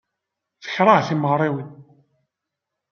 Tekṛeh timeɣriwin.